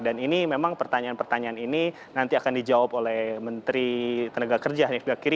dan ini memang pertanyaan pertanyaan ini nanti akan dijawab oleh menteri tenaga kerja hanifdakiri